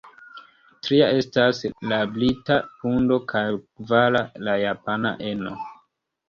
Tria estas la brita pundo kaj kvara la japana eno.